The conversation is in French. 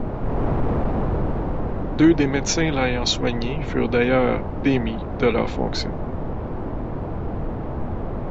Deux des médecins l'ayant soignée furent d'ailleurs démis de leurs fonctions.